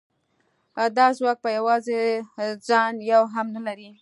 دا ځواک په یوازې ځان یو هم نه لري